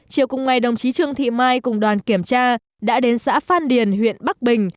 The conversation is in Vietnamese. chiều cùng ngày đồng chí trương thị mai cùng đoàn kiểm tra đã đến xã phan điền huyện bắc bình